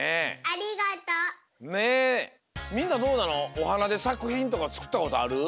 おはなでさくひんとかつくったことある？